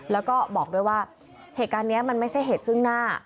แล้วก็บอกด้วยว่าเหตุการณ์นี้มันไม่ใช่เหตุซึ่งหน้า